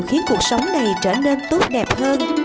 khiến cuộc sống này trở nên tốt đẹp hơn